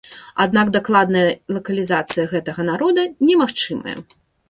Аднак дакладная лакалізацыя гэтага народа немагчымая.